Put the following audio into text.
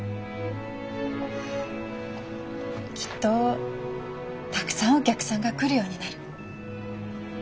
きっとたくさんお客さんが来るようになる。